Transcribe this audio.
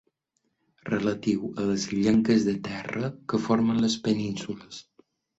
Relatiu a les llenques de terra que formen les penínsules.